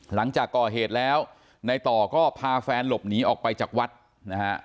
หลังจากก่อเหตุแล้วในต่อก็พาแฟนหลบหนีออกไปจากวัดนะฮะ